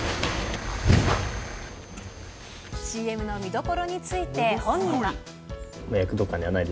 ＣＭの見どころについて本人は。